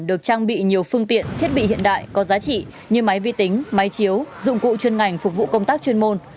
được trang bị nhiều phương tiện thiết bị hiện đại có giá trị như máy vi tính máy chiếu dụng cụ chuyên ngành phục vụ công tác chuyên môn